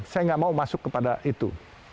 saya nggak mau masuk kepada itu